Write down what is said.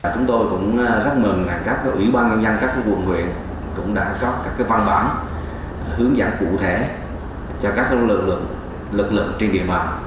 chúng tôi cũng rất mừng các ủy ban nhân dân các vùng huyện cũng đã có các văn bản hướng dẫn cụ thể cho các lực lượng trên địa bàn